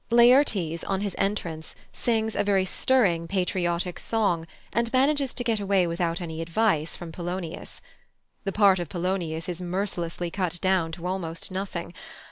Laertes, on his entrance, sings a very stirring patriotic song, and manages to get away without any advice from Polonius. The part of Polonius is mercilessly cut down to almost nothing.